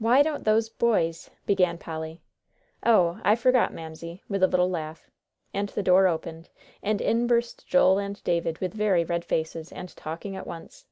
"Why don't those boys " began Polly. "Oh, I forgot, Mamsie," with a little laugh, and the door opened, and in burst Joel and David with very red faces, and talking at once.